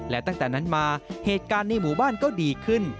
และตั้งแต่นั้นมาเหตุการณ์ในหมู่บ้านก็ดีขึ้น